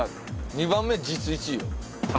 ２番目実質１位よ。